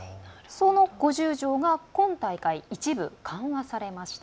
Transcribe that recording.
その５０条が今大会一部、緩和されました。